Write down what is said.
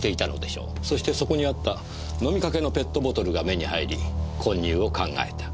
そしてそこにあった飲みかけのペットボトルが目に入り混入を考えた。